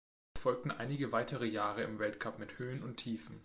Es folgten einige weitere Jahre im Weltcup mit Höhen und Tiefen.